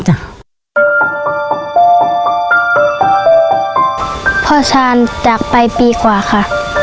พ่อชาญจากไปปีกว่าค่ะ